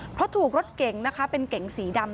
เพราะถูกรถเก๋งนะคะเป็นเก๋งสีดำ